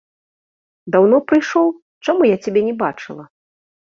Даўно прыйшоў, чаму я цябе не бачыла?